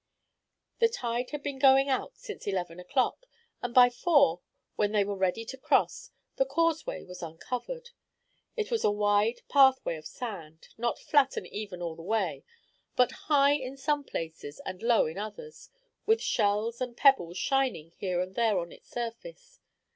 The tide had been going out since eleven o'clock, and by four, when they were ready to cross, the causeway was uncovered. It was a wide pathway of sand, not flat and even all the way, but high in some places and low in others, with shells and pebbles shining here and there on its surface.